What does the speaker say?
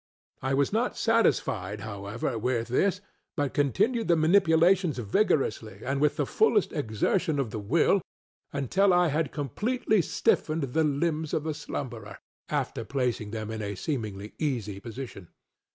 I was not satisfied, however, with this, but continued the manipulations vigorously, and with the fullest exertion of the will, until I had completely stiffened the limbs of the slumberer, after placing them in a seemingly easy position.